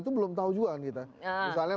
itu belum tahu juga kan kita misalnya